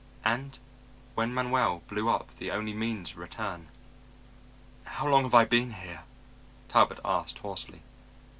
And when Manuel blew up the only means of return.... "How long have I been here?" Talbot asked hoarsely.